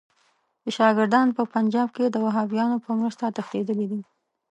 چې شاګردان په پنجاب کې د وهابیانو په مرسته تښتېدلي دي.